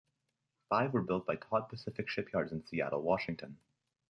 Five were built by Todd Pacific Shipyards in Seattle, Washington.